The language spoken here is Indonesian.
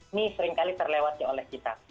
ini seringkali terlewati oleh kita